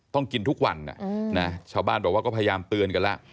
ต้องกินทุกวันชาวบ้านบอกว่าก็พยายามเตือนกันแล้ว